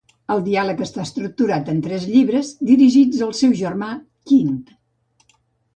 El diàleg està estructurat en tres llibres, dirigits al seu germà Quint.